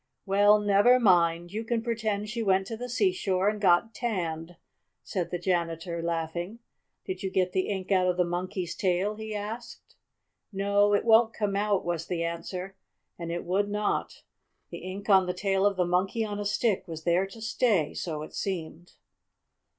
"Well, never mind, you can pretend she went to the seashore and got tanned," said the janitor, laughing. "Did you get the ink out of the Monkey's tail?" he asked. "No, it won't come out," was the answer, and it would not. The ink on the tail of the Monkey on a Stick was there to stay, so it seemed.